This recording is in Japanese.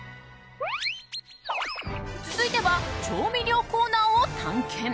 続いては、調味料コーナーを探検。